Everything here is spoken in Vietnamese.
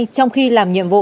trong khi làm nhiệm vụ